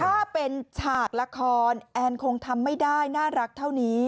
ถ้าเป็นฉากละครแอนคงทำไม่ได้น่ารักเท่านี้